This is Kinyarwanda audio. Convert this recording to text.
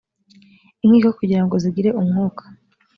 inkiko kugira ngo zigire umwuka